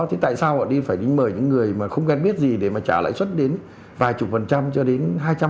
thì tại sao họ đi phải đi mời những người mà không quen biết gì để mà trả lãi suất đến vài chục phần trăm cho đến hai trăm linh